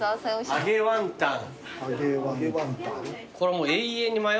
揚げワンタン。